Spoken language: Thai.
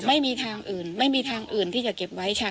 ไม่มีทางอื่นไม่มีทางอื่นที่จะเก็บไว้ค่ะ